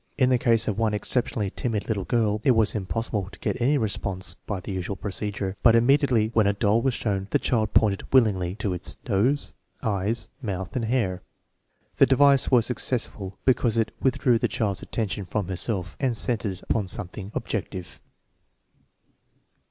In the case of one exceptionally timid little girl, it was impossible to get any response by the usual procedure, but immediately when a doll was shown the child pointed willingly to its nose, eyes, mouth, and hair. The device was successful because it withdrew the child's attention from herself and centered it upon some thing objective.